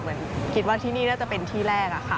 เหมือนคิดว่าที่นี่น่าจะเป็นที่แรกอะค่ะ